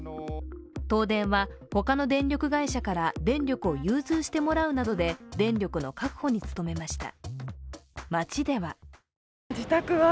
東電は他の電力会社から電力を融通してもらうなどで電力の確保に努めました。